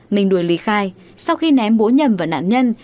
minh đuổi lý khai sau khi ném búa nhầm vào nạn nhân